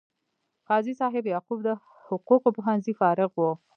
قاضي صاحب یعقوب د حقوقو پوهنځي فارغ و.